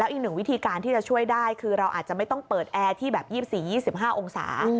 อีกหนึ่งวิธีการที่จะช่วยได้คือเราอาจจะไม่ต้องเปิดแอร์ที่แบบ๒๔๒๕องศา